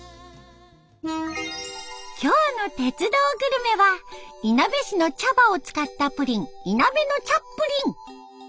今日の「鉄道グルメ」はいなべ市の茶葉を使ったプリンいなべの茶っぷりん。